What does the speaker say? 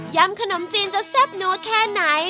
ขนมจีนจะแซ่บนัวแค่ไหน